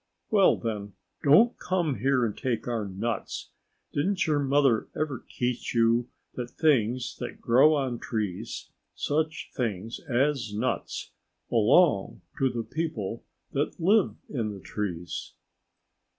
"Well, then don't come here and take our nuts! Didn't your mother ever teach you that things that grow on trees such things as nuts belong to the people that live in the trees?"